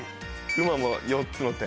「馬」は４つの点。